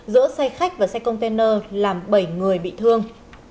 giữa xe khách và xe container làm bảy người bị thương